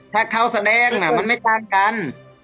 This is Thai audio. ถ้าเขาแสดงมันไม่ต่างกัน